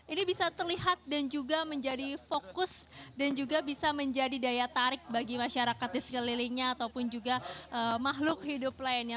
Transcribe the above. ini bisa terlihat dan juga menjadi fokus dan juga bisa menjadi daya tarik bagi masyarakat di sekelilingnya ataupun juga makhluk hidup lainnya